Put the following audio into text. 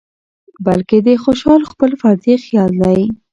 بلکې د خوشال خپل فردي خيال دى